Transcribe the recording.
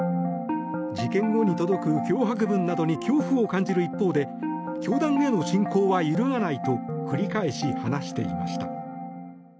事件後に届く脅迫文などに恐怖を感じる一方で教団への信仰は揺るがないと繰り返し話していました。